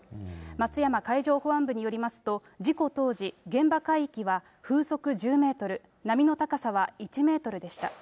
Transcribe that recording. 松山海上保安部によりますと、事故当時、現場海域は風速１０メートル、波の高さは１メートルでした。